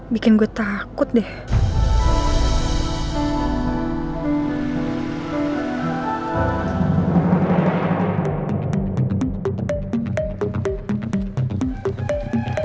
bikin gue takut deh